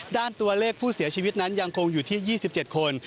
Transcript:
ด้านตัวเลขผู้เสียชีวิตนั้นยังคงอยู่ที่๒๗คน